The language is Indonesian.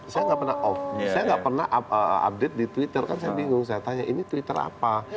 saya nggak pernah off saya nggak pernah update di twitter kan saya bingung saya tanya ini twitter apa